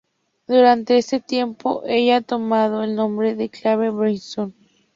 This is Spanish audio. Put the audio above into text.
Durante este tiempo, ella ha tomado el nombre en clave de Brainstorm.